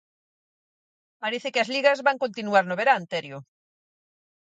Parece que as ligas van continuar no verán, Terio.